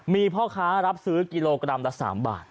มีพ่อค้ารับซื้อกิโลกรัมละ๓บาท